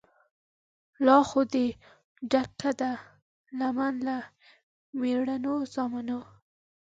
لا خو دي ډکه ده لمن له مېړنو زامنو